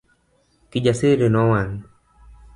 Kijasiri nowang'.